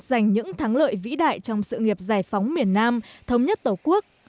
giành những thắng lợi vĩ đại trong sự nghiệp giải phóng miền nam thống nhất tổ quốc